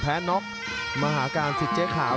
แพ้น็อคมาหาการสิทธิ์เจ๊ขาว